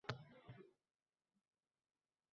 Ertalab soat o'nda kela olmaysizmi?